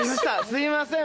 すいません。